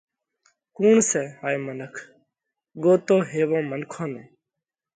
ڪُوڻ سئہ هائي منک؟ ڳوتو هيوون منکون نئہ